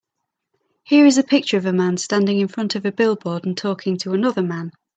Here is a picture of a man standing in front a billboard and talking to another man.